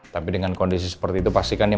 tapi dengan kondisi seperti itu pastikan yang